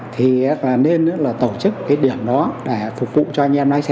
thì nên tổ chức điểm đó để phục vụ cho anh em lái xe